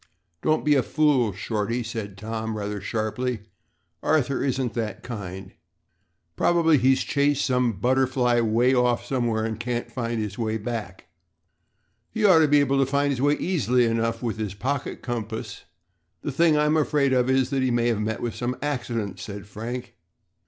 "Don't be a fool, Shorty," said Tom, rather sharply. "Arthur isn't that kind. Probably he's chased some butterfly way off somewhere and can't find his way back." "He ought to be able to find his way easily enough with his pocket compass. The thing I'm afraid of is that he may have met with some accident," said Frank.